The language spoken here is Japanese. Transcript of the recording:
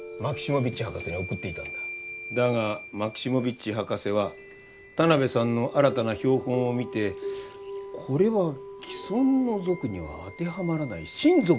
だがマキシモヴィッチ博士は田邊さんの新たな標本を見てこれは既存の属には当てはまらない新属ではないかと研究を始めた。